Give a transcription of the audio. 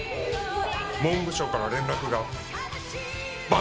文部省から連絡があった。